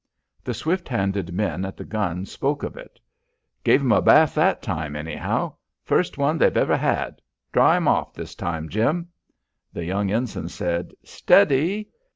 The swift handed men at the gun spoke of it. "Gave 'm a bath that time anyhow. First one they've ever had. Dry 'em off this time, Jim." The young ensign said: "Steady."